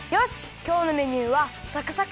きょうのメニューはサクサク！